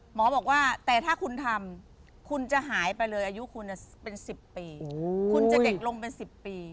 หมอบอกว่าแต่ถ้าคุณทำคุณจะหายไปเลยอายุคุณเป็น๑๐ปีคุณจะเด็กลงเป็น๑๐ปี